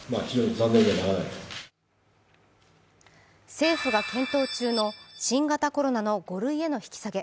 政府が検討中の新型コロナの５類への引き下げ